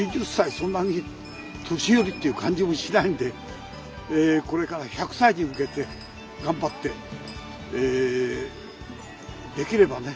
そんなに年寄りという感じもしないんでこれから１００歳に向けて頑張ってできればね